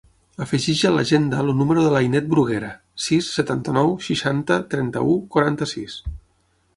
Afegeix a l'agenda el número de l'Ainet Bruguera: sis, setanta-nou, seixanta, trenta-u, quaranta-sis.